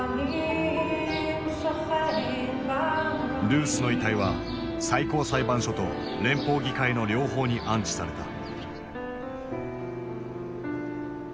ルースの遺体は最高裁判所と連邦議会の両方に安置された。